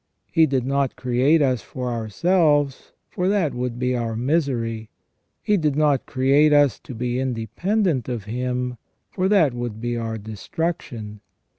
He did not create us for ourselves, for that would be our misery. He did not create us to be independent of Him, for that would be our destruction.